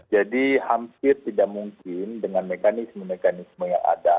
jadi hampir tidak mungkin dengan mekanisme mekanisme yang ada